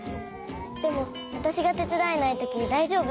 でもわたしがてつだえないときだいじょうぶ？